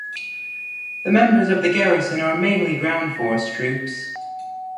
The members of the garrison are mainly ground force troops.